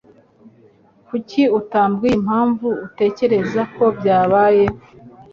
Kuki utambwiye impamvu utekereza ko byabaye